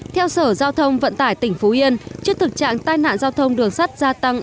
theo sở giao thông vận tải tỉnh phú yên trước thực trạng tai nạn giao thông đường sắt gia tăng